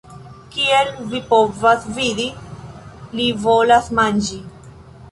Kiel vi povas vidi, li volas manĝi